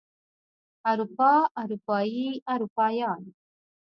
اروپا اروپايي اروپايان